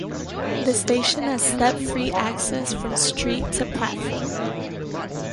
The station has step-free access from street to platform.